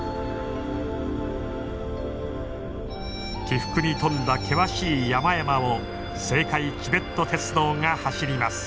起伏に富んだ険しい山々を青海チベット鉄道が走ります。